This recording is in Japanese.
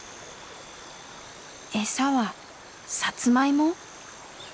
餌はサツマイモ？